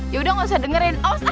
yaudah gausah dengerin awas ah